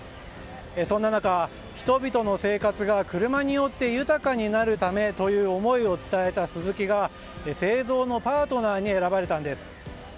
そんな中、人々の生活が車によって豊かになるためという思いを伝えたスズキが製造のパートナーに選ばれたんです。